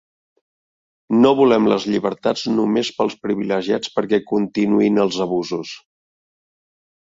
No volem les llibertats només pels privilegiats perquè continuïn els abusos.